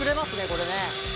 これね。